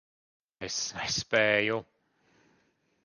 Es nespēju.